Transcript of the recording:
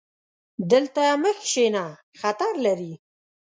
دلته مه کښېنه، خطر لري